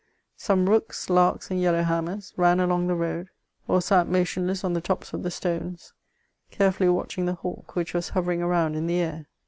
Some rooks, larik^ and yeUondiammen ran along the road, or sat motionless on the tops of the stones, carefully watdiing the hawk which was hovering around in the air.